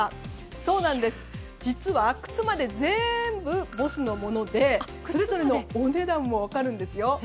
そうなんです、実は靴まで全部ＢＯＳＳのものでそれぞれのお値段も分かるんですよ。